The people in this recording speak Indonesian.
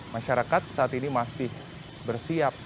masyarakat saat ini masih bersiap